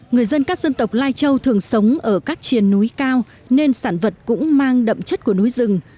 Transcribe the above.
người dân các dân tộc lai châu thường sống ở các triền núi cao nên sản vật cũng mang đậm chất của núi rừng